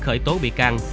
khởi tố bị can